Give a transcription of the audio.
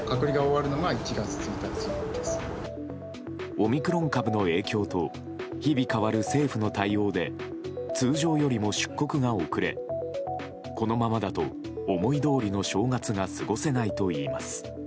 オミクロン株の影響と日々変わる政府の対応で通常よりも出国が遅れこのままだと、思いどおりの正月が過ごせないといいます。